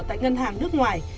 tại ngân hàng nước ngoài